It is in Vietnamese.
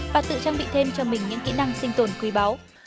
bà tự trang bị thêm cho mình những kỹ năng sinh tồn quý báu